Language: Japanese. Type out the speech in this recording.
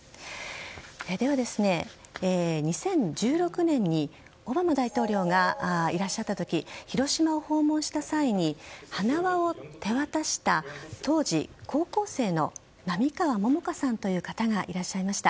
では、２０１６年にオバマ大統領がいらっしゃった時広島を訪問した際に花輪を手渡した当時高校生の並川桃夏さんという方がいらっしゃいました。